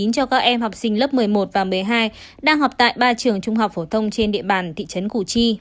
cho các em học sinh lớp một mươi một và một mươi hai đang học tại ba trường trung học phổ thông trên địa bàn thị trấn củ chi